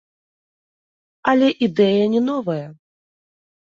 Але ідэя не новая.